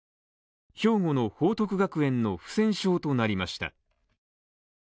兵庫の報徳学園の不戦勝となりました。